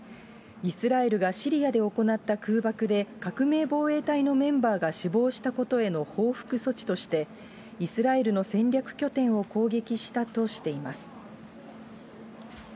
イスラエルがシリアで行った空爆で、革命防衛隊のメンバーが死亡したことへの報復措置として、イスラエルの戦略拠点を攻撃したとしています。